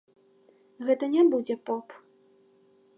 Гэта не будзе поп.